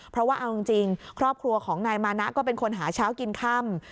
เพราะว่าเอาจริงครอบครัวของนายมานะก็เป็นคนหาเช้ากินค่ำ